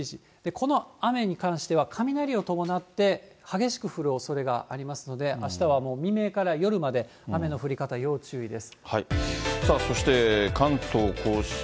この雨に関しては雷を伴って激しく降るおそれがありますので、あしたはもう未明から夜まで雨の降り方要注意です。